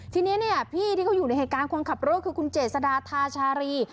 ทีนี้พี่ที่เขาอยู่ในหักการความขับรถคือคุณเจสดาทาชารี